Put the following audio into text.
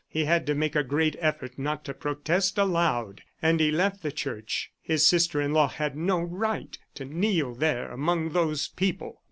... He had to make a great effort not to protest aloud, and he left the church. His sister in law had no right to kneel there among those people.